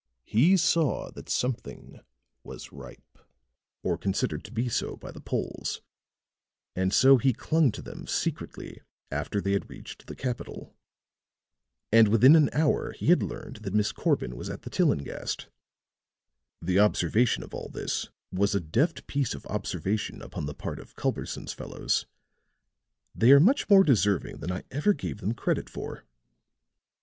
He saw that something was ripe, or considered to be so by the Poles, and so he clung to them secretly after they had reached the capital. And within an hour he had learned that Miss Corbin was at the Tillinghast! The observation of all this was a deft piece of observation upon the part of Culberson's fellows. They are much more deserving than I ever gave them credit for."